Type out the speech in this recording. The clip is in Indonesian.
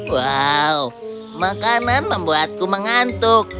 wow makanan membuatku mengantuk